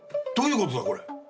どういうことだこれ。